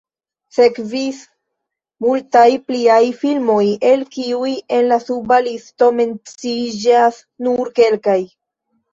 Sekvis multaj pliaj filmoj, el kiuj en la suba listo menciiĝas nur kelkaj.